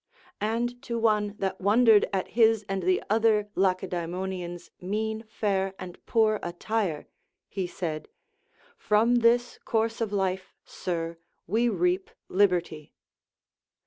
And to one that wondered at his and the other Lacedae monians' mean fare and poor attire, he said, From this course of life, sir, we reap liberty.